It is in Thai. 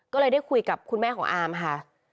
ก็เลยได้คุยกับคุณแม่ของอามค่ะ